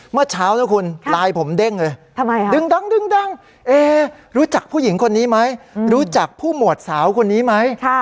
เมื่อเช้านะคุณไลน์ผมเด้งเลยดึงดังเอ๊รู้จักผู้หญิงคนนี้ไหมรู้จักผู้หมวดสาวคนนี้ไหม